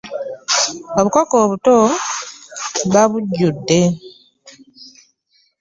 Obukoko obuto babujjudde.